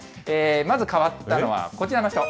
まず変わったのはこちらの人。